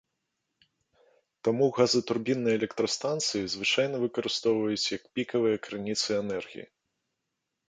Таму газатурбінныя электрастанцыі звычайна выкарыстоўваюць як пікавыя крыніцы энергіі.